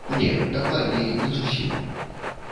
Не, дакладней, не зусім.